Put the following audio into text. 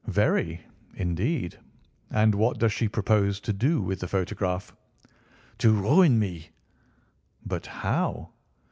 "Very, indeed. And what does she propose to do with the photograph?" "To ruin me." "But how?"